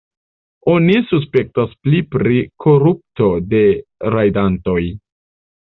Oni suspektas pli pri korupto de rajdantoj.